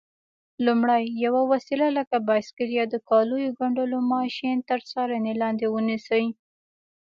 لومړی: یوه وسیله لکه بایسکل یا د کالیو ګنډلو ماشین تر څارنې لاندې ونیسئ.